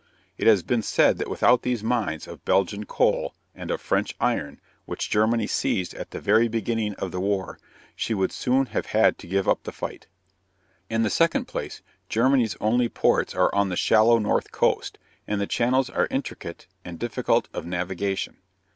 It has been said that without these mines of Belgian coal and of French iron, which Germany seized at the very beginning of the war, she would soon have had to give up the fight. In the second place, Germany's only ports are on the shallow north coast, and the channels are intricate and difficult of navigation.